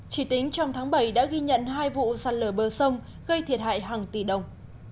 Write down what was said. chỉ tính trong tháng bảy đã ghi nhận hai vụ sạt lở bờ sông gây thiệt hại hàng tỷ đồng